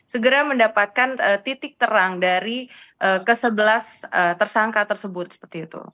segera mendapatkan titik terang dari kesebelas tersangka tersebut seperti itu